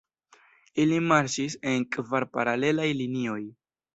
Ili marŝis en kvar paralelaj linioj.